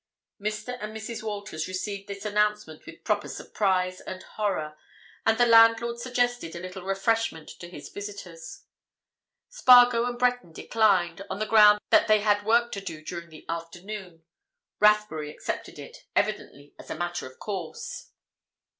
Mr. and Mrs. Walters received this announcement with proper surprise and horror, and the landlord suggested a little refreshment to his visitors. Spargo and Breton declined, on the ground that they had work to do during the afternoon; Rathbury accepted it, evidently as a matter of course.